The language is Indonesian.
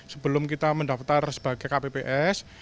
sebelum kita mendaftar sebagai kpps